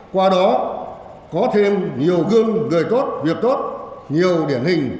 qua đó có thêm nhiều gương người tốt việc tốt nhiều điển hình